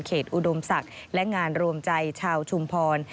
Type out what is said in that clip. อุดมศักดิ์และงานรวมใจชาวชุมพร